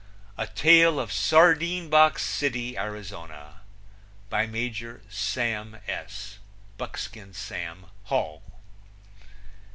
A tale of Sardine box City, Arizona. By Major Sam S. (Buckskin Sam) Hall.